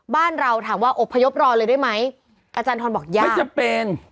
บ้านเราถามว่าอบพยพรอเลยได้ไหมอาจารย์ทรบอกยังไม่จำเป็น